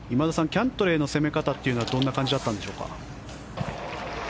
キャントレーの攻め方というのはどんな感じだったんでしょうか？